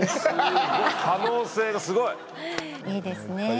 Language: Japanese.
可能性がすごい！いいですね。